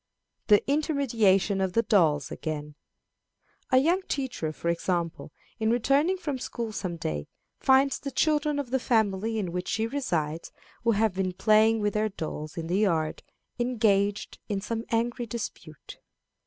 The Intermediation of the Dolls again. A young teacher, for example, in returning from school some day, finds the children of the family in which she resides, who have been playing with their dolls in the yard, engaged in some angry dispute.